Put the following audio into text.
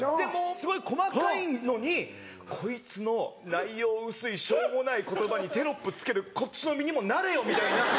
すごい細かいのにこいつの内容薄いしょうもない言葉にテロップ付けるこっちの身にもなれよ！みたいな。